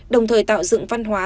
đồng thời tạo dựng văn hóa